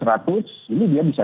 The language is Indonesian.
ini dia bisa lima ratus